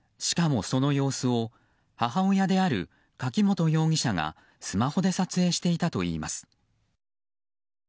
しかも、その様子を母親である柿本容疑者がスマホで撮影していたといいます。